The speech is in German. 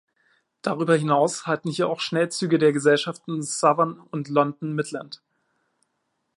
Darüber hinaus halten hier auch Schnellzüge der Gesellschaften Southern und London Midland.